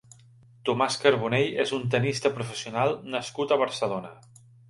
Tomás Carbonell és un tennista professional nascut a Barcelona.